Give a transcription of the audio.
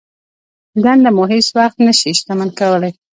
دنده مو هېڅ وخت نه شي شتمن کولای.